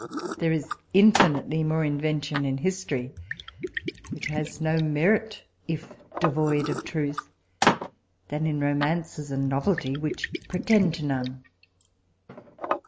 There is infinitely more invention in history, which has no merit if devoid of truth, than in romances and novelty which pretend to none.